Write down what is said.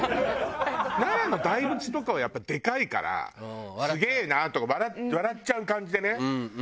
奈良の大仏とかはやっぱりでかいから「すげえな」とか笑っちゃう感じでね。